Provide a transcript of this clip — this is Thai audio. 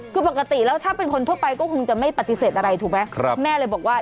คือปกติแล้วถ้าเป็นคนทั่วไปก็คงจะไม่ปฏิเสธอะไรถูกไหมแม่เลยบอกว่า